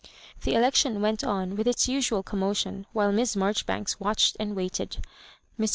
IQI The election went on with all its usual com motion while Miss Marjoribanks watched and waited. Mr.